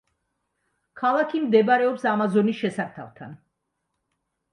ქალაქი მდებარებს ამაზონის შესართავთან.